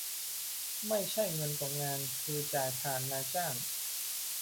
ไม่ใช่เงินตกงาน คือจ่ายผ่านนายจ้าง